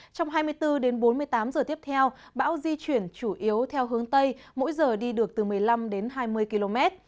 trong hai mươi bốn đến bốn mươi tám giờ tiếp theo bão di chuyển chủ yếu theo hướng tây mỗi giờ đi được từ một mươi năm đến hai mươi km